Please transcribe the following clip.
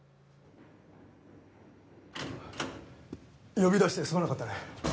呼び出してすまなかったね。